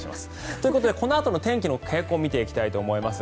ということでこのあとの天気の傾向を見ていきたいと思います。